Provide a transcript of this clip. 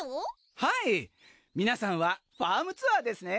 はい皆さんはファームツアーですね？